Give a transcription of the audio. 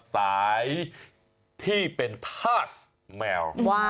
สายที่เป็นพาสแมว